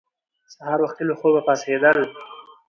سهار وختي له خوبه پاڅېدل